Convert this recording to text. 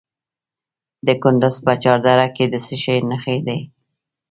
د کندز په چهار دره کې د څه شي نښې دي؟